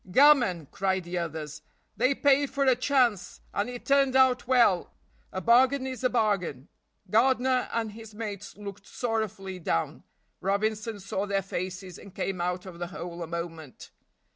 "Gammon," cried others, "they paid for a chance, and it turned out well; a bargain is a bargain." Gardiner and his mates looked sorrowfully down. Robinson saw their faces and came out of the hole a moment.